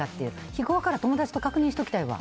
日ごろから友達と確認しておきたいわ。